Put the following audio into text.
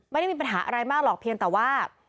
ไม่ได้มีปัญหาอะไรมากหรอกเพียงแต่ว่า